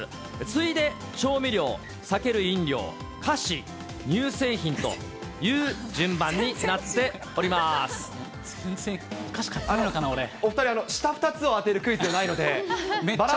次いで、調味料、酒類・飲料、菓子、乳製品という順番になってお２人、下２つを当てるクイズじゃないので。